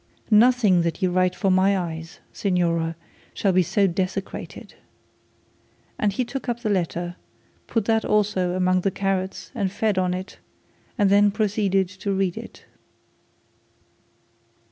'Nothing that you write for my eyes, signora, shall be so desecrated,' and he took up the letter, put that also among the carrots and fed on it, and then proceeded to read it.